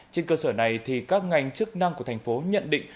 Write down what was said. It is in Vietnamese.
trên cơ sở này các ngành chức năng của thành phố nhận định